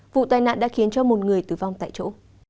vụ tai nạn đã khiến cho một người tử vong tại chỗ